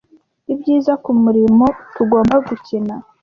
Ibyiza kumurimo tugomba gukina.